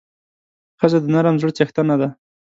ښځه د نرم زړه څښتنه ده.